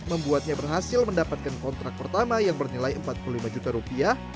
membuatnya berhasil mendapatkan kontrak pertama yang bernilai empat puluh lima juta rupiah